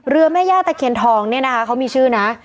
แม่ย่าตะเคียนทองเนี่ยนะคะเขามีชื่อนะ